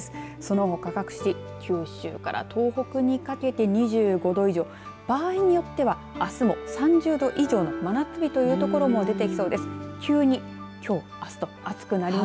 そのほか各地九州から東北にかけて２５度以上場合によってはあすも３０度以上の真夏日という所も出てきそうです。